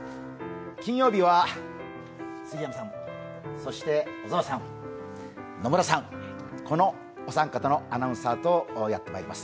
金曜日は杉山さん、そして小沢さん野村さん、このお三方のアナウンサーとやってまいります。